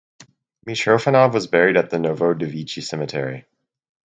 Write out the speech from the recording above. Mitrofanov was buried at the Novodevichy Cemetery.